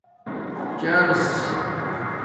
چٰرس